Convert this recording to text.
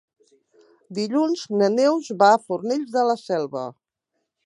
Dilluns na Neus va a Fornells de la Selva.